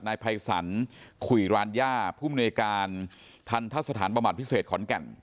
ในภัยสรรคุยร้านย่าผู้มนุยการทันทัศนประมาทพิเศษขอนแก่น